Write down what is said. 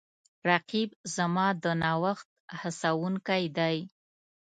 رقیب زما د نوښت هڅونکی دی